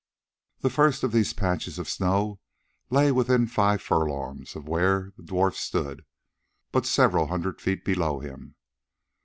The first of these patches of snow lay within five furlongs of where the dwarf stood, but several hundred feet below him.